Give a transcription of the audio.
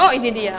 oh ini dia